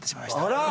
あら！